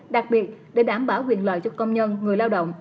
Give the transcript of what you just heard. đặc biệt để đảm bảo quyền lợi cho công nhân người lao động